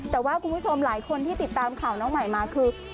แต่ว่าคุณผู้ชมหลายคนที่ติดตามข่าวน้องใหม่มาคือ